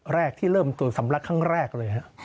แรกที่เริ่มตรวจสำลักครั้งแรกเลยฮะ